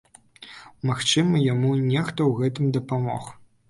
Магчыма, яму нехта ў гэтым дапамог.